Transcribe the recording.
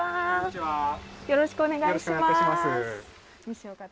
よろしくお願いします。